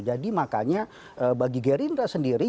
jadi makanya bagi gerinda sendiri